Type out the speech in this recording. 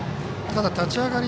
ただ、立ち上がり